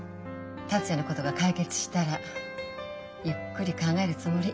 達也のことが解決したらゆっくり考えるつもり。